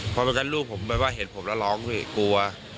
เพราะว่าลูกผมเห็นผมแล้วร้องกลัว